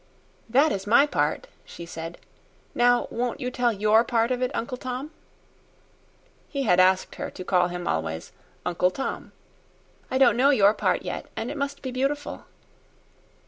"That is my part," she said. "Now won't you tell your part of it, Uncle Tom?" He had asked her to call him always "Uncle Tom." "I don't know your part yet, and it must be beautiful."